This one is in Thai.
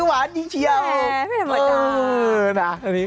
หวานจริงเชียวแม่ไม่ได้หมดแล้ว